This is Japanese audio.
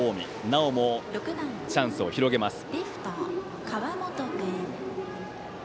なおもチャンスを広げます。